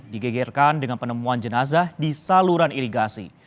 digegerkan dengan penemuan jenazah di saluran irigasi